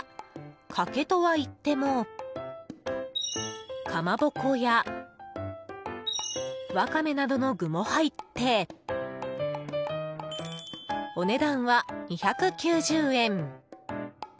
かけとは言ってもかまぼこやわかめなどの具も入ってお値段は２９０円。